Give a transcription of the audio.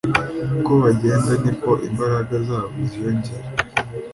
uko bagenda ni ko imbaraga zabo ziyongera